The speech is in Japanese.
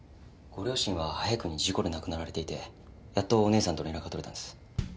ご両親は早くに事故で亡くなられていてやっとお姉さんと連絡が取れたんです。